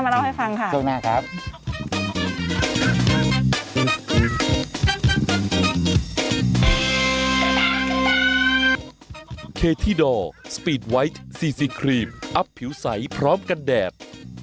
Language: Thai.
เดี๋ยวช่วงหน้ามาเล่าให้ฟังค่ะช่วงหน้าครับ